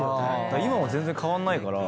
今も全然変わんないから。